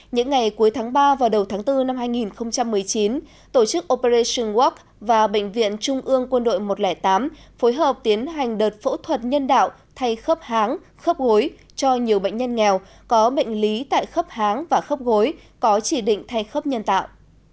những ngày cuối tháng ba và đầu tháng bốn năm hai nghìn một mươi chín tổ chức operation walk và bệnh viện trung ương quân đội một trăm linh tám phối hợp tiến hành đợt phẫu thuật nhân đạo thay khớp háng khớp gối cho nhiều bệnh nhân nghèo có bệnh lý tại khớp háng và khớp gối có chỉ định thay khớp nhân tạo